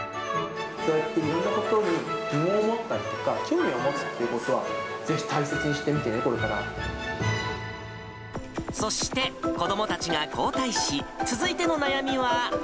いろんなことに疑問を持ったりとか、興味を持つっていうことは、ぜひ大切にしてみてね、そして子どもたちが交代し、続いての悩みは。